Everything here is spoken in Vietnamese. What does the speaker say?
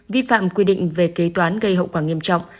vi phạm quy định về kế toán gây hậu quả nghiêm trọng